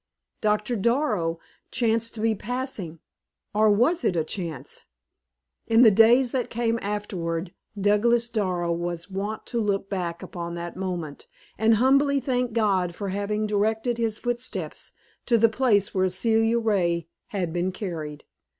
Doctor Darrow chanced to be passing or was it chance? In the days that came afterward, Douglas Darrow was wont to look back upon that moment, and humbly thank God for having directed his footsteps to the place where Celia Ray had been carried.